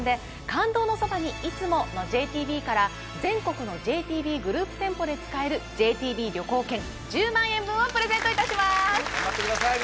「感動のそばに、いつも。」のＪＴＢから全国のＪＴＢグループ店舗で使えるＪＴＢ旅行券１０万円分をプレゼントいたします頑張ってください